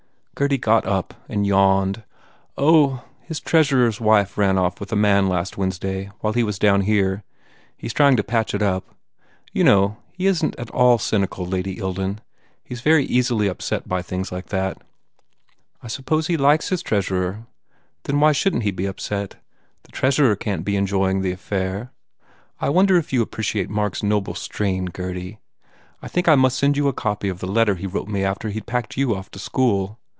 Gurdy got up and yawned, "Oh, his treasurer s wife ran off with a man last Wednesday while he was down here. He s trying to patch it up. You know, he isn t at all cynical, Lady Ilden. He s very easily upset by things like that." "I suppose he likes his treasurer? Then why shouldn t he be upset? The treasurer can t be en joying the affair. I wonder if you appreciate Mark s noble strain, Gurdy? I think I must send you a copy of the letter he wrote me after he d packed you off to school.